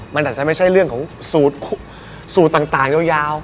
มันอาจจะไม่ใช่เรื่องของสูตรต่างยาว